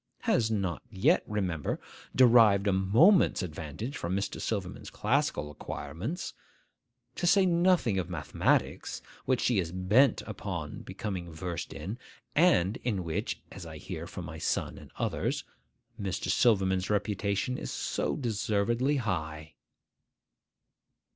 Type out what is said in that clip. Has not yet, remember, derived a moment's advantage from Mr. Silverman's classical acquirements. To say nothing of mathematics, which she is bent upon becoming versed in, and in which (as I hear from my son and others) Mr. Silverman's reputation is so deservedly high!